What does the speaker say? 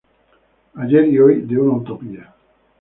Ayer y hoy de una utopía".